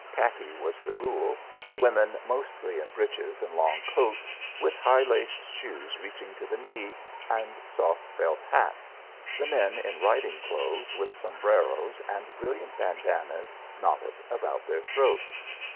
Khaki was the rule, the women mostly in breeches and long coats, with high laced shoes reaching to the knee and soft felt hats, the men in riding clothes, with sombreros and brilliant bandannas knotted about their throats.